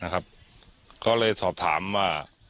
ก็เลยสอบถามว่า